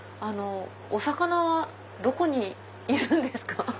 お魚はどこにいるんですか？